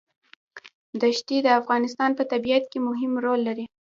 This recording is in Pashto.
دښتې د افغانستان په طبیعت کې مهم رول لري.